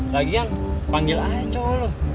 lagian panggil aja cowok lo